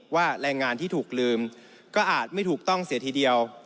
แรงงานที่ถูกลืมก็อาจไม่ถูกต้องเสียทีเดียว